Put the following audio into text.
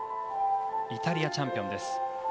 イタリアチャンピオンです。